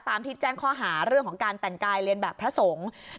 ที่แจ้งข้อหาเรื่องของการแต่งกายเรียนแบบพระสงฆ์